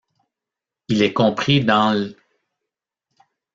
Il est compris dans l'.